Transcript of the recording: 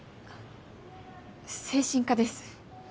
精神科です。